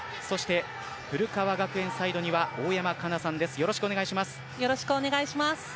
そして、古川学園サイドには大山加奈さんです。